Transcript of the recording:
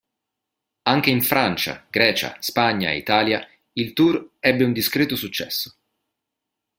Anche in Francia, Grecia, Spagna e Italia il tour ebbe un discreto successo.